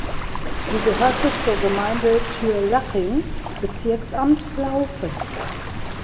Sie gehörte zur Gemeinde Tyrlaching (Bezirksamt Laufen).